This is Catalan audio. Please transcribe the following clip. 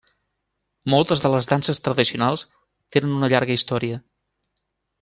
Moltes de les danses tradicionals tenen una llarga història.